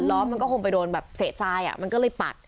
ล้อมันก็คงไปโดนเสน่ห์ใสมันก็เลยปัด